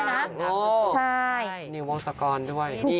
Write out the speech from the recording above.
หลังมากนะครับใช่นี่วงศากรด้วย